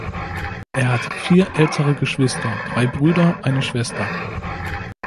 Er hat vier ältere Geschwister, drei Brüder, eine Schwester.